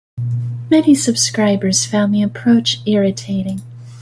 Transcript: Many subscribers found the approach irritating.